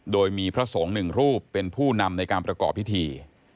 โดยมีพระสงฆ์หนึ่งรูปเป็นผู้นำในการประกอบพิธี